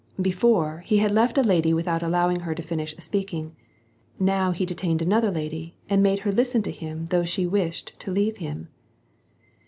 Before, he had left a lady without allowing her to finish speaking; now he detained another lady and made her listen to him though she wished to leave him.